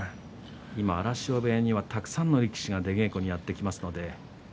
荒汐部屋にはたくさんの人が出稽古にやって来ますね。